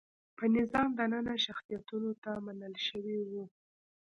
په نظام دننه شخصیتونو ته منل شوي وو.